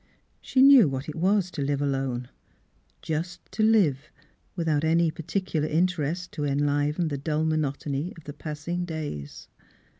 She knew what it was to live alone — just to live, without any particular inter est to enliven the dull monotony of the passing days.